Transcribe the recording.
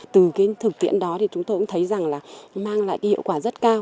từ cái thực tiễn đó thì chúng tôi cũng thấy rằng là mang lại cái hiệu quả rất cao